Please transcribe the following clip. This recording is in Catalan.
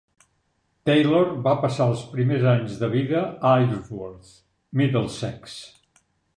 Taylor va passar els primers anys de vida a Isleworth, Middlesex.